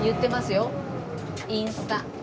インスタ。